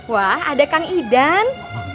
wah ada kang idan